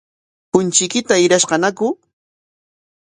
¿Punchuykita hirashqañaku?